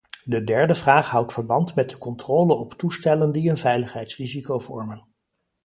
De derde vraag houdt verband met de controle op toestellen die een veiligheidsrisico vormen.